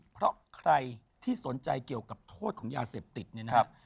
เพราะใครที่สนใจเกี่ยวกับโทษของยาเสพติดเนี่ยนะครับ